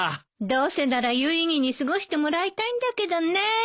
どうせなら有意義に過ごしてもらいたいんだけどねえ。